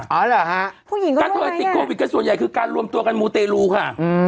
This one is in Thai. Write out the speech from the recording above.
อ๋อเหรอฮะผู้หญิงก็ร่วมไว้ส่วนใหญ่คือการรวมตัวกันมูเตลูค่ะ